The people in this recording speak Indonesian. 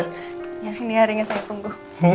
ini hari yang saya tunggu